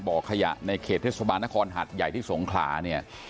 บ่อขยะในเขตเทศบาลนครหัดใหญ่ที่สงขลาเนี่ย